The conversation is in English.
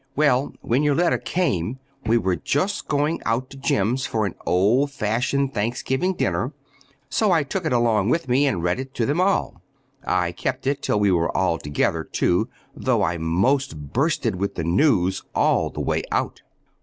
Well, when your letter came, we were just going out to Jim's for an old fashioned Thanksgiving dinner, so I took it along with me and read it to them all. I kept it till we were all together, too, though I most bursted with the news all the way out.